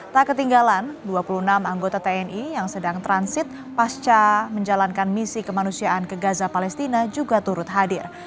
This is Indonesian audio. tak ketinggalan dua puluh enam anggota tni yang sedang transit pasca menjalankan misi kemanusiaan ke gaza palestina juga turut hadir